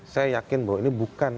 saya yakin bahwa ini bukan